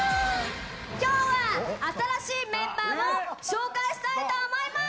今日は新しいメンバーを紹介したいと思います！